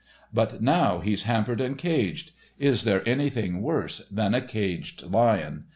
But now he's hampered and caged—is there anything worse than a caged lion?